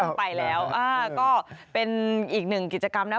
ไปแล้วก็เป็นอีกหนึ่งกิจกรรมนะ